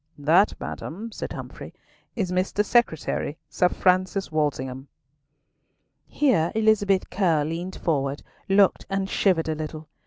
"That, madam," said Humfrey, "is Mr. Secretary, Sir Francis Walsingham." Here Elizabeth Curll leant forward, looked, and shivered a little.